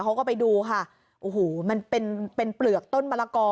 เขาก็ไปดูค่ะโอ้โหมันเป็นเป็นเปลือกต้นมะละกอ